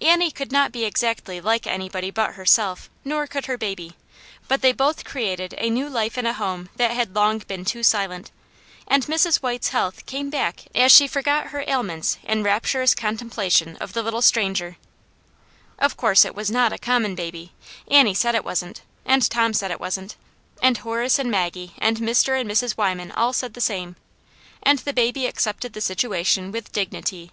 Annie could not be exactly like anybody but her self, nor could her baby; but they both created a new life in a home that had long been too silent, and Mrs. White's health came back as she forgot her ailments in rapturous contemplation of the little stranger. Aunt Jane's Hero. 215 Of course it was not a common baby, Annie said it wasn't, and Tom said it wasn't, and Horace and Maggie and Mr. and Mrs. Wyman all said the same. And the baby accepted the situation with dignity.